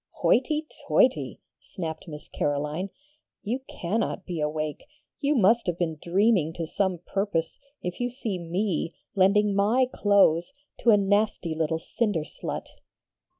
'Hoity toity! 'snapped Miss Caroline. 'You cannot be awake. You must have been dreaming to some purpose if you see me lending my clothes to a nasty little Cinder slut!'